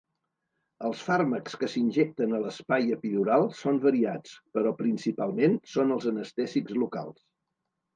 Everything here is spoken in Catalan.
Els fàrmacs que s'injecten a l'espai epidural són variats, però principalment són els anestèsics locals.